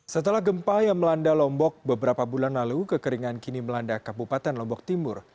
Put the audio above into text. setelah gempa yang melanda lombok beberapa bulan lalu kekeringan kini melanda kabupaten lombok timur